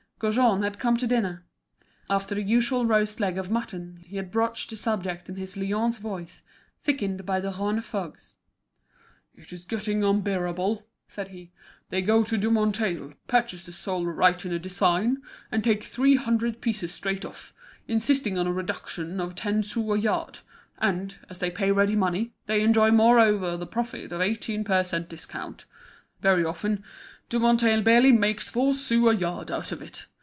Gaujean had come to dinner. After the usual roast leg of mutton, he had broached the subject in his Lyons voice, thickened by the Rhône fogs. "It's getting unbearable," said he. "They go to Dumonteil, purchase the sole right in a design, and take three hundred pieces straight off, insisting on a reduction of ten sous a yard; and, as they pay ready money, they enjoy moreover the profit of eighteen per cent discount. Very often Dumonteil barely makes four sous a yard out of it.